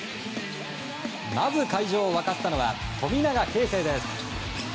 まず、会場を沸かせたのは富永啓生です。